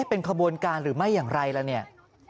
เป็นขบวนการหรือไม่อย่างไรล่ะเนี่ย